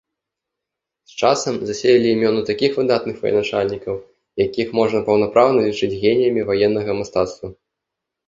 З часам засеялі імёны такіх выдатных военачальнікаў, якіх можна паўнапраўна лічыць геніямі ваеннага мастацтва.